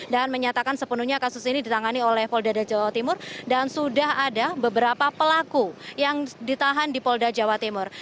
dan menyatakan sepenuhnya kasus ini ditangani oleh polda jawa timur dan sudah ada beberapa pelaku yang ditahan di polda jawa timur